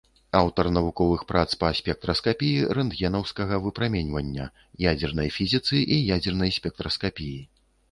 Аўтар навуковых прац па спектраскапіі рэнтгенаўскага выпрамянення, ядзернай фізіцы і ядзернай спектраскапіі.